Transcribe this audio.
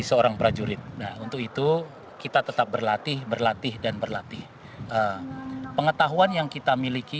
seorang prajurit nah untuk itu kita tetap berlatih berlatih dan berlatih pengetahuan yang kita miliki